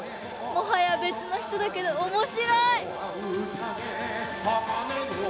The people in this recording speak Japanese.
もはや別の人だけどおもしろい！